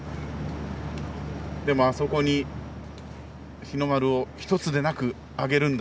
でも、あそこに日の丸を１つでなく揚げるんだ。